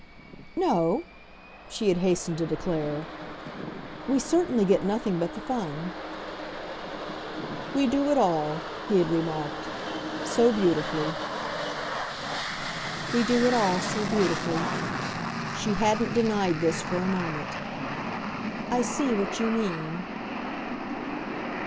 "No," she had hastened to declare; "we certainly get nothing but the fun." "We do it all," he had remarked, "so beautifully." "We do it all so beautifully." She hadn't denied this for a moment. "I see what you mean."